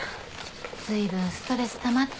随分ストレスたまってんね。